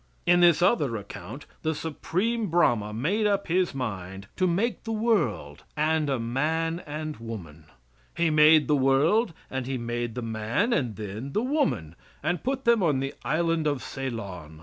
In this other account the Supreme Brahma made up his mind to make the world and a man and woman. He made the world and he made the man and then the woman, and put them on the Island of Ceylon.